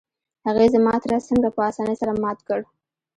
هغې زما تره څنګه په اسانۍ سره مات کړ؟